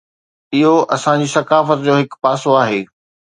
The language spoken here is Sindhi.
اهو اسان جي ثقافت جو هڪ پاسو آهي.